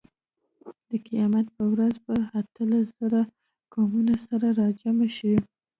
د قیامت په ورځ به اتلس زره قومونه سره راجمع شي.